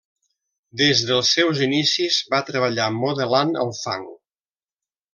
Des dels seus inicis va treballar modelant el fang.